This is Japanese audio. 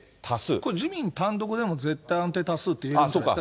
これ、自民単独でも絶対安定多数っていえるんじゃないですか。